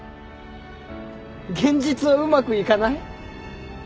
現実はうまくいかない？